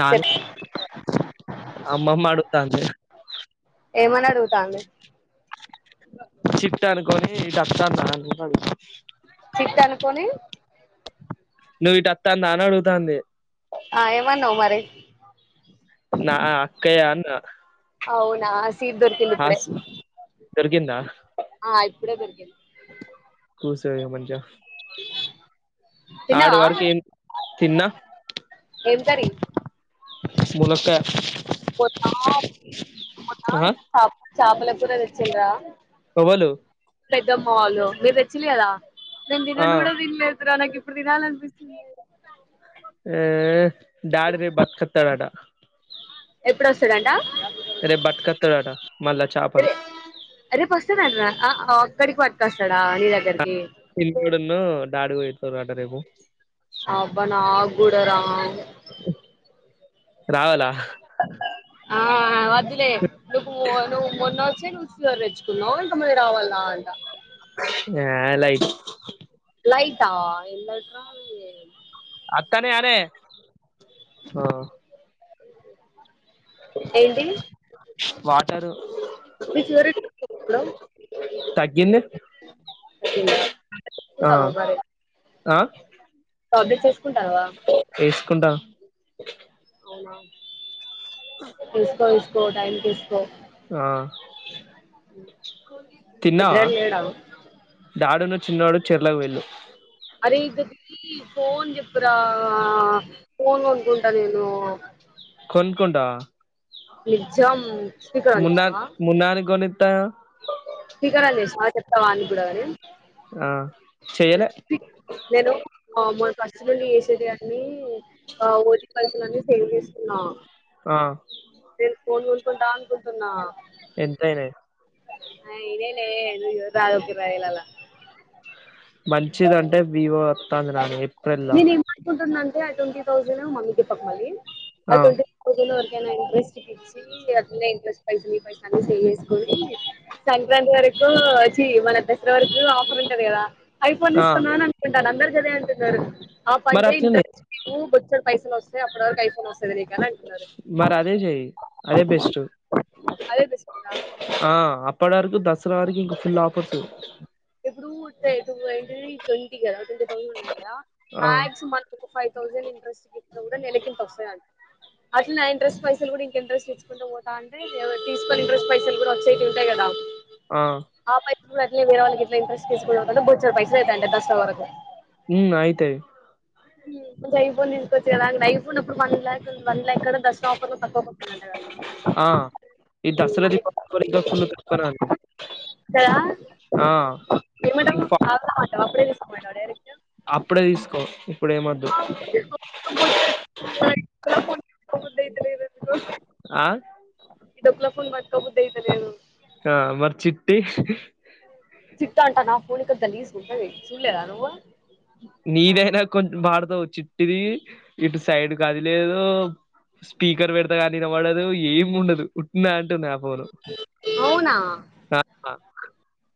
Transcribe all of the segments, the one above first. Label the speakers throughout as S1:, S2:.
S1: నాని
S2: చెప్
S1: అమ్మమ్మ అడుగుతాంది
S2: ఏమని అడుగుతాంది
S1: చిట్టానుకొని ఇటు అత్తందా అంటానా
S2: చిట్ అనుకొని
S1: నువ్ ఇటు అత్తాందాని అడుగుతంది
S2: ఆ ఏమన్నావ్ మరి
S1: నా అక్కయ్య అన్న
S2: అవునా సీట్ దొరికింది ఇప్పుడే
S1: హాస్ దొరికిందా
S2: ఆ ఇప్పుడే దొరికింది
S1: కూసో ఇగ మంచిగా ఆడు
S2: తిన్నావా
S1: వరకేం తిన్నా
S2: ఏం కర్రీ
S1: ములకాయ
S2: మొన్నా మొన్న
S1: ఆ
S2: చాప్ చాపల కూర తెచ్చిండ్రా
S1: ఎవలు
S2: పెద్దమ్మ వాళ్లు, మీరు తెచ్చిల్లు కదా నేను
S1: ఆ
S2: తినన్ కూడ తిన్లే త్ర నాకు ఇప్పుడు తినాలనిపిస్తుంది
S1: ఏ డాడీ రేప్ పట్టుకొతడట
S2: ఎప్పుడోస్తడంట
S1: రేప్ బట్టుకొతడట మళ్ళ చాపలు
S2: రే రేపు వస్తాడంటనా ఆ అక్కడికి పట్టుకొస్తాడా నీ దగ్గరికి?
S1: నున్ను డాడీ వోయిత్తురు అంట రేపు
S2: అబ్బా నా గూడ రా
S1: రావాల
S2: ఆ వద్దులే, నువ్వు నువ్వు మొన్న వచ్చి నువ్వు సూ రెచ్చుకున్నావు మమ్మీ రావాల అంట
S1: ఆ లైట్
S2: లైట్ ఆ ఎలా ట్రా
S1: తనే అనేే ఆ
S2: ఏంది?
S1: తరు
S2: మెచ్యూరిట్ లో
S1: తగ్గింది
S2: తగ్గిందా
S1: ఆ
S2: తింతానవ్ మరి
S1: ఆ
S2: టాబ్లెట్స్ ఎస్
S1: ఎస్కుంట
S2: అవునా ఎస్కో ఎస్కో టైమ్ కి ఎస్కో
S1: ఆ తిన్నావా?
S2: పెద్దగాడు లేడా
S1: డాడున్న చిన్నోడు చెర్లకి వెళ్ళు
S2: అరే గదీ ఫోన్ చెప్పురా ఆ ఫోన్ కొనుకుంట నేను
S1: కొనుక్కుంటవ
S2: నిజం స్పీకర్ ఆన్
S1: మున్నార్
S2: చేసినవా
S1: మున్నార్కి కొని టా
S2: ఆ చెప్తా వానికి కూడా గాని
S1: ఆ చెయ్యలే
S2: నేను కామ హస్బండ్ చేసేటియాన్ని ఆ ఓ జి పంచలని సేల్ చేస్తున్నా.
S1: ఆ
S2: నేను ఫోన్ కొనుక్కుంటా అనుకుంటున్న.
S1: ఎంతయినయ్?
S2: అయినాయి లే [unintelligible] ఇరువై వేళల
S1: మంచిది అంటే వివో వత్తాంది నాదే
S2: నేనేం అనుకుంటున్నా అంటే ఆ ట్వంటీ థౌసండ్ మమ్మీకు చెప్పకు మళ్ళీ, ఆ ట్వంటీ థౌసండ్ వర కేనా ఇంట్రెస్ట్కి ఇచ్చి అట్నే ఇంట్రెస్ట్ పై పైసా అని సేవ్ చేసుకోనీ సంక్రాంతి వర అపుడు చి మన దసరా వరకు ఆఫర్ ఉంటది కదా ఐఫోన్
S1: ఆ
S2: తీసుకున్న అని అనుకుంటాన అందరు గదే అంటున్నరు ఆ
S1: మరి
S2: పని
S1: అట్లనే
S2: ఇంట్రెస్ట్ పైసలు వస్తాయి అప్పటి వరకు ఐఫోన్ వస్తది నీకు అని అంటున్నారు.
S1: మరి అదే చెయ్యి అదే బెస్ట్
S2: అదే తీసుకున్న
S1: అప్పడి వరకు దసరా వరకు ఇంక ఫుల్ ఆఫర్స్
S2: ఇప్పుడూ తె టూ ఏంటిది ట్వంటీ కదా ట్వంటీ థౌసండ్ వున్నా గదా
S1: ఆ
S2: మాక్స్ మనోకక ఫైవ్ తౌసండ్ ఇంట్రెస్ట్ పెట్టిన కూడ నెలకింత వస్తాయ
S1: అ [unintelligible]
S2: అట్లా నా ఇంట్రస్ట్ పైసలు కూడా ఇంక ఇంట్రెస్ట్ ఇచ్చుకుంట పోతాంటే, ఏవ తీసుకొని ఇంట్రెస్ట్ పైసలు గూడ ఓచ్చయిటివి ఉంటయి క.
S1: ఆ
S2: నువ్ గూడ అట్లే వేరే వాళ్ళకిట్ల ఇంట్రెస్ట్ పెంచుకుంటా పోతావుంటే బొచ్చడ్ పైసలు అయిథాంటాయి దస్రా వరకు
S1: మ్మ్ అయితయి
S2: ఐ ఫోన్ తీస్కొవచ్చు గదా అండ్ ఐఫోన్ అప్పుడు వన్ లాక్ వన్ లక్కడ దసరా ఆఫర్ లో తక్కువకొస్తుందంటగ
S1: ఆ ఈ దసరా దీప [inaudible]
S2: గదా ఎవడు
S1: నీకు ఫా-
S2: [inaudible] అప్పుడే తీసుకుపొయినాడు ఏడి
S1: అప్పుడే ఈస్కో
S2: [inaudible] తీస్కో బుద్ధయితలేదెందుకో
S1: ఆ
S2: ఈ డొక్కులో ఫోన్ బట్కో బుద్దయితలేదు
S1: ఆ మరి చిట్టి
S2: చిట్టంటనా ఫోనింక గలీజు గుంటది సూళ్లేద నువ్వు
S1: నీదయినా కొం వాడతావు చిట్టిది ఇటు సైడ్ కది లేదు స్పీకర్ పెడతా కానీ ఇనబడదు ఏం ఉండదు ఉట్నా
S2: అవునా
S1: ఆ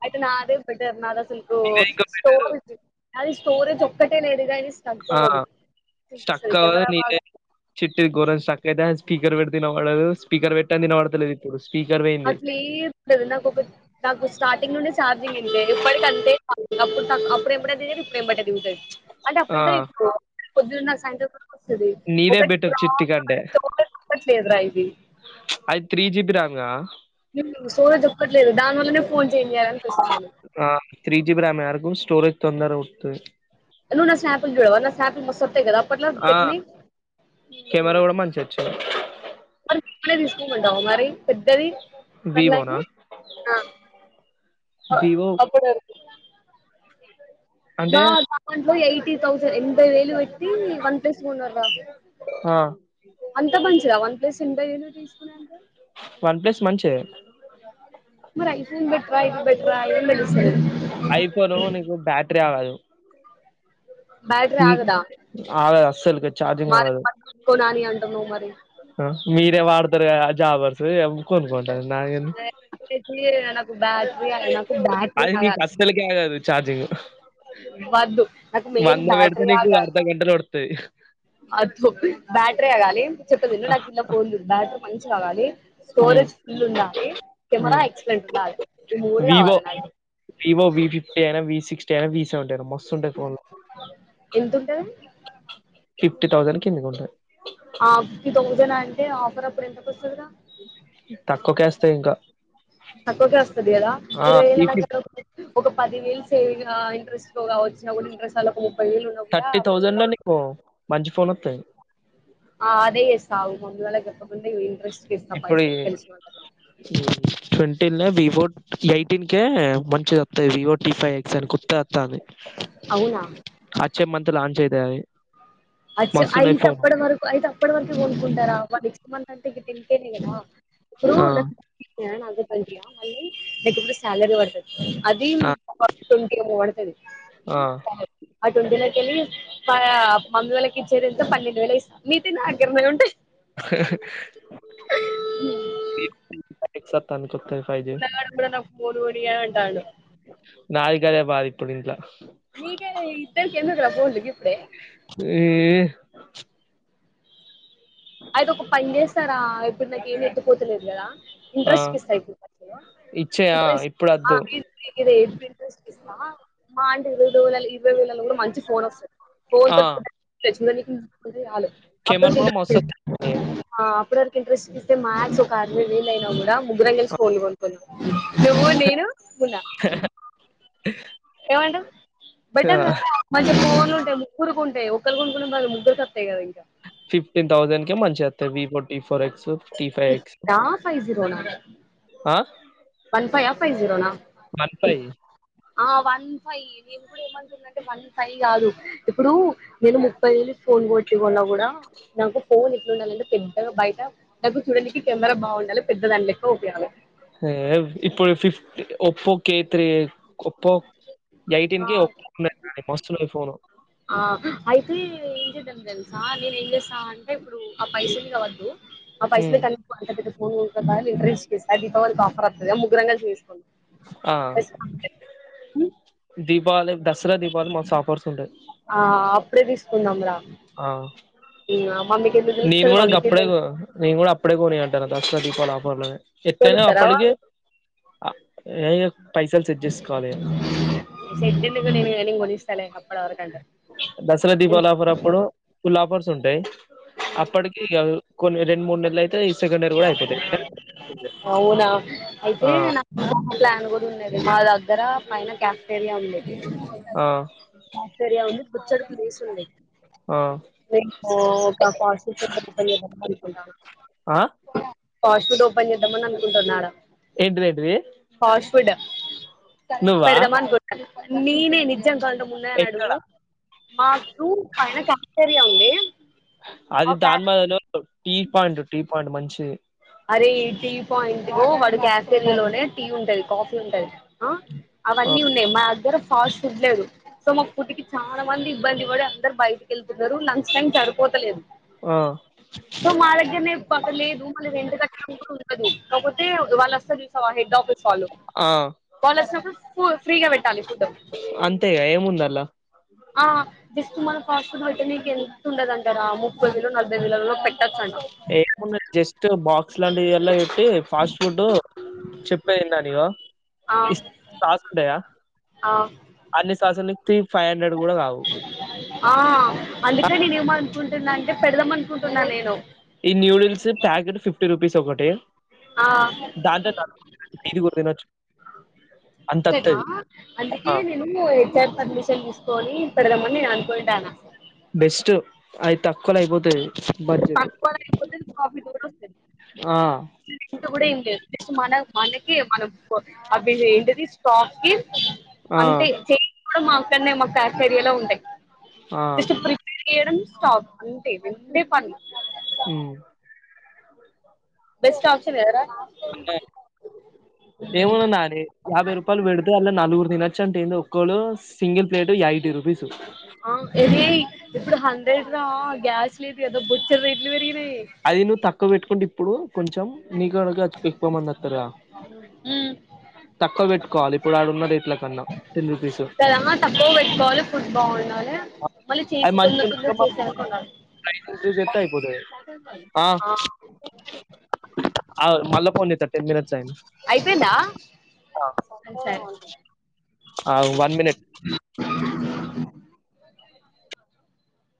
S2: ఐతే నాదే బెటర్ నాదసలు ఒ
S1: ఇదే ఇంకా బెటరు
S2: స్టోరేజు అది స్టోరేజ్ ఒక్కటే లేదు గానీ స్టక్
S1: ఆ
S2: అవ్వదు
S1: స్టక్
S2: చూపిస్తది
S1: అవ్వదు
S2: కెమెరా
S1: నినే
S2: బాగా
S1: చిట్టిది గోరం స్టక్ అయితే స్పీకర్ వెడితే ఇనవడదు పెటంది ఇనవడుతలేదిపుడు
S2: అసలు ఏద్ లేదు నాకొక నాకు స్టార్టింగ్ నుండి సార్జింగ్ ఇంతే ఎప్పటికంతే అప్పుడు నాకు అప్పుడు ఏం బడ దిగది ఇప్పుడు ఏం బడ దిగది అంటే
S1: ఆ
S2: అప్పుడు [inaudible] పొద్దున్న సండే కూడొకస్తది [inaudible]
S1: నీదే బెటర్ చిట్టి కంటే
S2: ఒకటిట్లేదురా ఇది
S1: అది త్రీ జిబి రాంగా
S2: ఊమ్ సోరజు ఎక్కట్లేదు దాని వల్లనే ఫోన్ చేంజ్ చేయాలనిపిస్తాంది
S1: తొందర ఊక్తే
S2: ను నా స్నాపుల్ జూడవ నా స్నాపుల్ కదరా అప్పట్లా
S1: ఆ
S2: పెట్టినయ్
S1: కెమెరా కూడా మంచిగా వచ్చింది
S2: మరి మరి తీసుకోమంటావు మరి పెద్దది
S1: వివోనా
S2: కన్నగి ఆ అ
S1: వివో
S2: అప్పుడువరకు బా
S1: అంటే
S2: దాంట్లో ఎయిటీ తౌసండ్ ఎన్భై వేలు వెట్టి వన్ ప్లస్ గొన్నర్రు
S1: ఆ
S2: అంత మంచిదా వన్ ప్లస్ ఇంత ఎందుకు తీసుకున అంటవు
S1: వన్ ప్లస్ మంచె
S2: మరి ఐ ఫోన్ బెటర్ ఆ ఇది బెటర్ ఆ ఏం దెలుస్తది
S1: ఐఫోను నీకు బ్యాటరి ఆగదు
S2: బ్యాట్రి
S1: హీట్
S2: ఆగదా
S1: ఆగదు అస్సలుకి ఛార్జింగ్
S2: మాది
S1: ఆగదు
S2: కొనానీ అంటనవ్ మరి
S1: ఆ మీరే వాడతరు గద జాబర్సు యమ్ కొనుకుంటరు నాదేన్
S2: నాకు బ్యాటరీ నాకు బ్యాటరీ
S1: అది నీకు
S2: ఆగాలి
S1: అస్సలుకే ఆగదు చార్జింగ్
S2: వద్దు నాక్ మెయిన్
S1: పెడితే
S2: బ్యాటరీ
S1: నీకు
S2: ఆగాలి
S1: అర్ధ గంటలో పడుతది
S2: అట్లు బ్యాటరీ ఆగాలి చెప్పేదిను నాకు ఇట్ల ఫోన్లు బ్యాటరీ మంచి కాగాలి
S1: హ్మ్
S2: స్టోరేజ్ ఫుల్ ఉండాలి కెమెరా
S1: హ్మ్
S2: ఎక్స్లెంట్ ఉండాలి ఈ మూడు
S1: వివో
S2: గావాలే నాకి
S1: వివో వి ఫిఫ్టీయైనా వి సిక్స్టీఐనా వి సెవంటీ ఐన మస్
S2: ఎంతుంటది
S1: ఫిఫ్టీ థౌసండ్ కిందికి ఉంటాయ్
S2: ఆ ఫిఫ్టీ థౌసండ్ అంటే ఆఫర్ అప్పుడు ఎంతకొస్తది రా
S1: తక్కువకేస్తయి ఇంకా
S2: తక్కువకే వస్తది గదా
S1: ఆ
S2: ఇరవై వేలు
S1: వి ఫిఫ్
S2: [inaudible] ఒక పదివేలు సేవింగ్ ఆ ఇంట్రెస్ట్ తో కావచ్చినా గుడ ఇంట్రెస్ట్ ఆళ
S1: థర్టీ థౌజండ్ లో నీకు మంచి ఫోన్ వత్తది
S2: ఆ అదే చేస్తా ఆగు ముందు వాళ్ళకు చెప్పకుండా ఇంట్రెస్ట్ కి ఇస్తా
S1: ఇప్పుడు ఈ
S2: పైసలు తెలిసిన వాళ్ళకి
S1: ట్వంటీల్ల బిఫోర్ ఎయిటీన్ కే మంచిది వత్తాయి వివోటి ఫై ఎక్స్ అనుకుంటా అది
S2: అవునా
S1: వచ్చే మంత్ లాంచ్ అయితది అది
S2: అచ్చే అయితే అప్పటి వరకు అయితే అప్పటి వరకే కొనుకుంటారా నెక్స్ట్ మంత కదా అంటే టెన్ కే నే కదా ఇప్పుడు
S1: ఆ
S2: మళ్ళీ నాకి ఇప్పుడు సాలరీ పడుతుది అది
S1: ఆ ఆ
S2: ఉమ్ సరే ఆ ట్వంటీ లో కెళ్ళి మా మమ్మీ వాళ్ళకి ఇచ్చేద ఎంత పన్నెండు వేల ఇస్తాం మిగతాయి నాకి ఎనిమిది ఉంటాయి
S1: హాహా సాతానికి
S2: పిల్లగాడు కూడా నాకు ఫోన్ కొనియ్యను అంటాండు
S1: నాకి అదే బాధ ఇప్పుడూ ఇంట్ల
S2: మేకైన ఇద్దరికి ఎందుకురా ఫోన్లు ఇప్పుడే
S1: ఈ
S2: అయితే ఒక పని చేస్తారా ఇప్పుడు నాకు ఏం ఎత్తిపోతలేదు కదా
S1: ఆ
S2: ఇంట్రెస్ట్ కిస్తయి
S1: ఇచ్చేయా
S2: ఇంట్రెస్ట్
S1: ఇప్పుడు
S2: ఆ
S1: వద్దు
S2: ఇంట్రెస్ట్ కి ఇస్తా మహా అంటే ఇరవై వేల ఇరవై వేలలు కూడా మంచి ఫోన్ వస్తది ఫోన్
S1: ఆ
S2: తోటి [unintelligible]
S1: కెమెరా కూడా మస్తు వత్తది
S2: అప్పటి వరకు ఇంట్రెస్ట్ ఇస్తే మ్యాక్స్ ఒక అరవై వేలు అయినా కూడా ముగ్గురం కలిసి ఫోన్ కొనుక్కుందాం నువ్వు నేను మున్నా ఏమంటార్
S1: ఆ
S2: బెటర్ కదా ఫోన్లుంటాయి ముగ్గురుకుంటాయి ఒక్కరు కొనుక్కునే బదులు ముగ్గురుకి వస్తాయి కదా ఇంకా
S1: ఫిఫ్టీన్ థౌజండ్ కే మంచిగ వస్తాయి V four T four X T five X
S2: fifty ఆ ఫైవ్ జీరోనా
S1: ఆ
S2: వన్ ఫైవ్ ఆ ఫైవ్ జీరోనా
S1: వన్ ఫైవ్
S2: ఆ వన్ ఫైవ్ నేను కూడా ఏమను కున్న అంటే వన్ ఫైవ్ కాదు ఇప్పుడు నేను ముప్పై వేలు ఫోన్ గొట్టిల్ల కూడా నాకు ఫోన్ ఇ ఉండాలంటే పెద్ద బయట నాకు చూడడానికి కెమెరా బాగుండాలి పెద్ద దాని లెక్క ఉపయోగాం
S1: ఏ ఇప్పుడు ఫిఫ Oppo K three Oppo eighteen కి ఒప్పో [unintelligible] మస్తు ఉన్నది ఫోను
S2: ఏ ఏం చేద్దాం తెలుసా నేను ఏం చేస్తా అంటే ఇప్పుడు ఆ పైసలిక వద్దు ఆ పైసలు
S1: హ్మ్
S2: కంట ఫోన్ ఇంటర్ దీపావళకి ఆఫర్ వత్తాది కదా ముగ్గురం కలిసి తీసుకుందాం
S1: ఆ
S2: పైసలు వత్తాయి ఉమ్
S1: దీపావళి దసరా దీపవళి మస్త్ ఆఫర్స్ ఉంటాయి
S2: ఆ అప్పుడే తీసుకుందాం రా
S1: ఆ
S2: ఇంగ మమ్మీకి ఎందుకు
S1: నేను
S2: తెలుస్తది
S1: కూడా
S2: మమ్మీకి
S1: గప్పుడే నేను కూడా అప్పుడే కొని కుంటా దసరా దీపావళి ఆఫర్ లోనే ఎట్లైన
S2: కొనిత్తరా
S1: అప్పటికి
S2: వాళ్ళు
S1: అ పైసలు సెట్ చేసుకోవాలి
S2: సెట్ ఎందుకు నేను నేను కొనిస్తాలే అప్పటి వరకు
S1: దసరా దీపాలు ఆఫర్ అప్పుడు ఫుల్ ఆఫర్స్ ఉంటాయి అప్పటికి కొన్ని రెండు మూడు నెలలు అయితే ఈ సెకండ్ ఇయర్ కూడా అయిపోతది
S2: అవునా అయితే
S1: ఆ
S2: నాకు ప్లాన్ కూడా ఉన్నది మా దగ్గర దగ్గర పైన క్యాఫ్టీరియా ఉంది
S1: ఆ
S2: క్యాఫ్టీరియా ఉంది బొచ్చడంత ఏసీ ఉంది
S1: ఆ
S2: ఉహూ ఒక ఫార్టీ
S1: ఆ
S2: [unintelligible] ఫాస్ట్ ఫుడ్ ఓపెన్ చేద్దామని అనుకుంటున్నారా
S1: ఏంటిదేంటిది
S2: ఫాస్ట్ ఫుడ్ పెడదామ అనుకుంటున్న నేనే నిజామా కావాలంటే ముందే అని
S1: ఎక్కడ
S2: అడుగు మాకు పైన క్యాఫ్టీరియా
S1: అది దాన్మద లో టీ పాయింట్ టీ పాయింట్ మంచి
S2: అరే ఈ టీ పాయింట్ వాడు క్యాఫే లోనే టీ ఉంటది కాఫీ ఉంటది
S1: ఆ
S2: అవన్నీ ఉన్నాయి మా దగ్గర ఫాస్ట్ ఫుడ్ లేదు సో మా ఫుడికి చాలా మంది ఇబ్బంది పడి అందరు బయటకి వెళ్తున్నారు లంచ్ టైం సరిపోతలేదు
S1: ఆ
S2: సో మదగ్గనే పకలేదు వెంట కపోతే వెళ్ళొస్తారుచూసావా హెడఆఫీస్ చాలు
S1: ఆ
S2: వాళ వచ్చినప్పుడు ఫు ఫ్రీగా పెట్టాలి ఫుడ్
S1: అంతే గ ఏముందల
S2: ఆ జస్ట్ మన ఫాస్ట్ ఫుడ్ వెట్టనే ఎంత ఉండదంటారా ముప్పై వేలు నలభై వేలలోపే
S1: ఏ జస్ట్ బాక్స్ లాం ఇ ఎలా ఇట్టి ఫాస్ట్ ఫుడ్ చేప్పదేనియో
S2: ఆ
S1: ఇస్తానయ
S2: ఆ
S1: ఫైవ్ హండ్రెడ్ కూడా కావు
S2: ఆ అందుక నేనుమనుకుంటా అంటే పెడదాం అనుకుంటున్నా నేను
S1: ఈ న్యూడిల్స్ ప్యాకెట్ ఫిఫ్టీ రూపీస్ ఒకటి
S2: ఆ
S1: దాంట ఐదుగురుతినచ్చు
S2: కదా అందుకే నేను హెచ్ అర్ పర్మిషన్ తీసుకొని పెడదామని నేను అనుకుయింటాన
S1: బెస్ట్ ఆయి తక్కువలో అయిపోతాది బడ్జెట్
S2: తక్కువ అయిపోతే
S1: ఆ
S2: ఇంట కూడా ఇండి మన మన మనం అ ఏంటిది స్టాక్ కి
S1: ఆ
S2: అంటే మా అక్కనే మాక్క కెప్టెరియాలో ఉంటయి
S1: ఆ
S2: చేయడం స్టాప్ అంతే రెండే పని
S1: హ్మ్
S2: బెస్ట్ ఆప్షన్ కదరా
S1: ఏమోమారి యాభై రూపాయలు పెడితే అలా నాలుగురు ర తినొచ్చంటే ఏ ఒక్కోళ సింగిల్ ప్లేట్ ఎయిటి రుపీసు
S2: ఆ ఇది ఇప్పుడు హండ్రెడ్ రా గ్యాస్ లేదు ఏదో బొచ్చ ర ఇట్లు పెరిగినాయి
S1: అది నువ్వు తక్కువ పెట్టుకుంటే ఇప్పుడు కొంచెం నీకుడగా ఎక్కువమంది వతార తక్కువ పెట్టుకోవాలి ఇప్పుడు ఆడున్న రేట్ల కన్నా టెన్ రూపీసు
S2: కదా తక్కువ పెట్టుకోవాలి ఫుడ్ బాగుండాలి మళ్ళీ
S1: అది
S2: చేసి తొందర తొందర
S1: మంచిఇన్కమ్
S2: చేసేయాలి
S1: వాతది
S2: కొనాలి
S1: ప్రైస్ లు చూసితే అయిపోయే ఆ మళ్ళ ఫోన్ చేస్తా టెన్ మినిట్స్
S2: అయిపోయిందా
S1: ఆ
S2: సరే
S1: ఆ వన్ మనిట్
S2: [unintelligible]